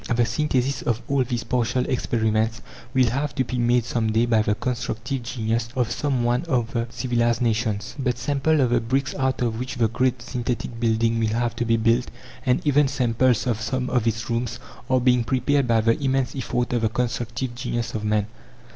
The synthesis of all these partial experiments will have to be made some day by the constructive genius of some one of the civilized nations. But samples of the bricks out of which the great synthetic building will have to be built, and even samples of some of its rooms, are being prepared by the immense effort of the constructive genius of man.